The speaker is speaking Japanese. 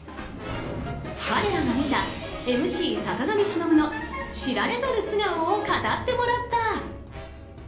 彼らが見たＭＣ坂上忍の知られざる素顔を語ってもらった。